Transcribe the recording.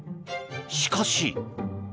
しかし。